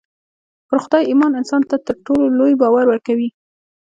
پر خدای ايمان انسان ته تر ټولو لوی باور ورکوي.